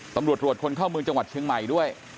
ตำรวจตรวจคนเข้าเมืองจังหวัดเชียงใหม่ด้วย